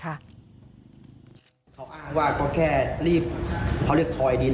เขาอ้างว่าก็แค่รีบเขาเรียกถอยดิน